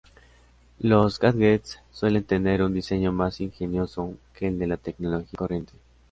Los "gadgets" suelen tener un diseño más ingenioso que el de la tecnología corriente.